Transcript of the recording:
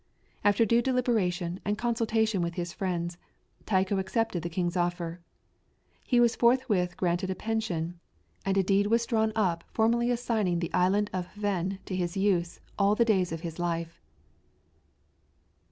After due deliberation and consultation with his friends, Tycho accepted the king's offer. He was forthwith granted a pension, and a deed was drawn up formally assigning the Island of Hven to his use all the days of his life.